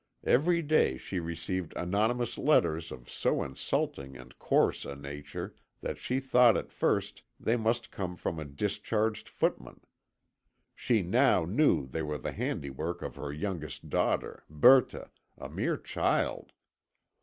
Every day she received anonymous letters of so insulting and coarse a nature that she thought at first they must come from a discharged footman. She now knew they were the handiwork of her youngest daughter, Berthe, a mere child!